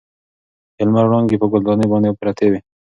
د لمر وړانګې په ګل دانۍ باندې پرتې وې.